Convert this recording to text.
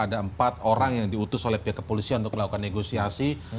ada empat orang yang diutus oleh pihak kepolisian untuk melakukan negosiasi